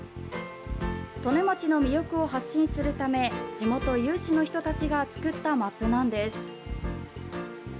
利根町の魅力を発信するため地元有志の人たちが作ったマップなんです。